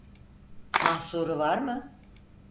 Mahsuru var mı?